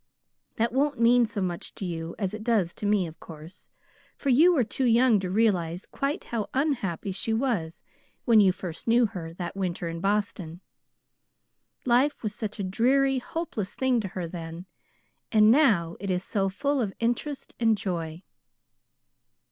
That won't mean so much to you as it does to me, of course, for you were too young to realize quite how unhappy she was when you first knew her that winter in Boston. Life was such a dreary, hopeless thing to her then; and now it is so full of interest and joy.